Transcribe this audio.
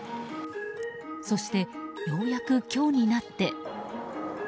そしてようやく、今日になって。